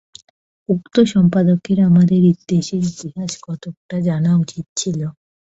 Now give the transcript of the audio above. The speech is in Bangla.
উক্ত সম্পাদকের আমাদের দেশের ইতিহাস কতকটা জানা উচিত ছিল।